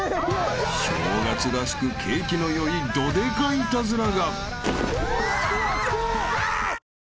［正月らしく景気の良いどデカイタズラが］・・